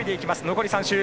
残り３周。